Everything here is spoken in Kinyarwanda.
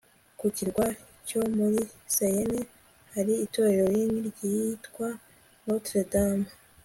ku kirwa cyo muri seine, hari itorero rinini ryitwa notre dame